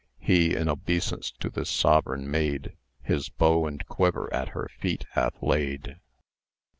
He in obeisance to this sovereign maid, His bow and quiver at her feet hath laid.